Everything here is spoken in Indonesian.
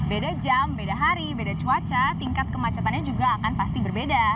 beda jam beda hari beda cuaca tingkat kemacetannya juga akan pasti berbeda